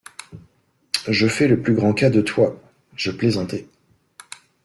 Je fais le plus grand cas De toi… je plaisantais.